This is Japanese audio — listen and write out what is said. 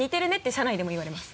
社内でも言われます。